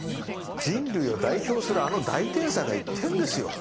人類を代表するあの大天才が言ってんですよ。